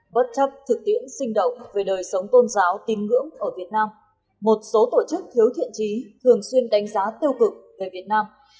bất chấp thực tiễn sinh động về đời sống tôn giáo tin ngưỡng ở việt nam một số tổ chức thiếu thiện trí thường xuyên đánh giá tiêu cực về việt nam